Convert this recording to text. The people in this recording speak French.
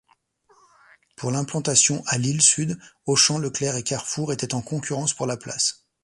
Pour l'implantation à Lille-Sud, Auchan, Leclerc et Carrefour étaient en concurrence pour la place.